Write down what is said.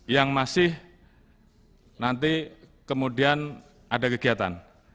yang masih nanti kemudian ada kegiatan